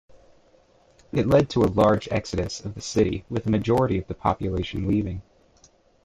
It led to a large exodus of the city, with a majority of the population leaving.